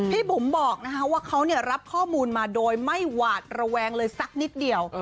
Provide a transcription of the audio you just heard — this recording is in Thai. บุ๋มบอกว่าเขารับข้อมูลมาโดยไม่หวาดระแวงเลยสักนิดเดียว